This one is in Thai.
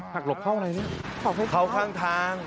หักหลบเข้าไหนนี่เข้าข้างทาง